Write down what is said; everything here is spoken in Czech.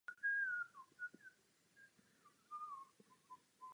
Zbytek má minimální význam.